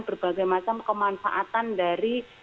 berbagai macam kemanfaatan dari